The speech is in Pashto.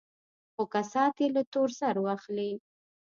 خو کسات يې له تور سرو اخلي.